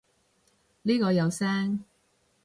呢個有聲